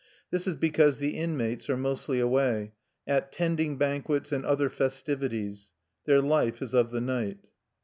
This is because the inmates are mostly away, at tending banquets and other festivities. Their life is of the night.